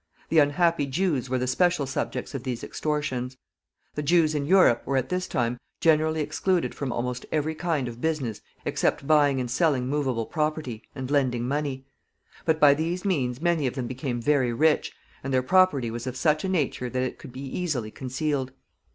The unhappy Jews were the special subjects of these extortions. The Jews in Europe were at this time generally excluded from almost every kind of business except buying and selling movable property, and lending money; but by these means many of them became very rich, and their property was of such a nature that it could be easily concealed.